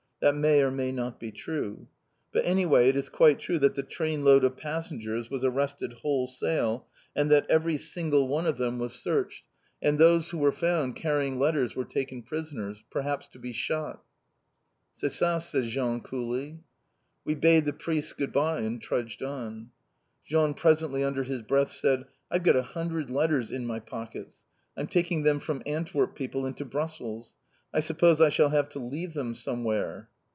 That may or may not be true. But anyway it is quite true that the train load of passengers was arrested wholesale, and that every single one of them was searched, and those who were found carrying letters were taken prisoners. Perhaps to be shot." "C'est ça!" said Jean coolly. We bade the priests good bye, and trudged on. Jean presently under his breath, said: "I've got a hundred letters in, my pockets. I'm taking them from Antwerp people into Brussels. I suppose I shall have to leave them somewhere!"